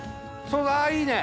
ああいいね！